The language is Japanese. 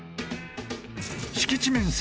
敷地面積